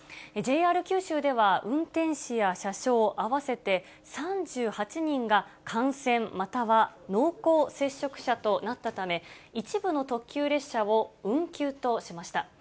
ＪＲ九州では、運転士や車掌、合わせて３８人が感染または濃厚接触者となったため、一部の特急列車を運休としました。